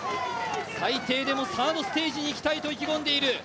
最低でもサードステージに行きたいと意気込んでいる。